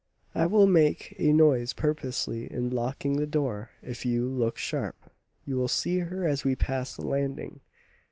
I will make a noise purposely in locking the door; if you look sharp, you will see her as we pass the landing."